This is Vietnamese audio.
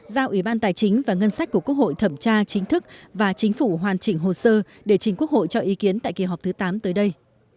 giao ủy ban tài chính và ngân sách của quốc hội thẩm tra chính thức và chính phủ hoàn chỉnh hồ sơ để chính quốc hội cho ý kiến tại kỳ họp thứ tám tới đây